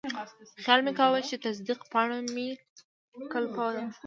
خیال مې کاوه چې تصدیق پاڼه مې کلپه ده.